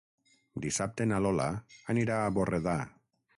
Dissabte na Lola anirà a Borredà.